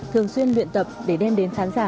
thường xuyên luyện tập để đem đến khán giả